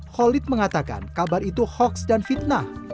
holid mengatakan kabar itu hoaks dan fitnah